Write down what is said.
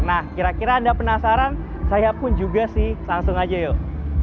nah kira kira anda penasaran saya pun juga sih langsung aja yuk